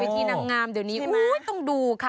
ที่นางงามเดี๋ยวนี้ต้องดูค่ะ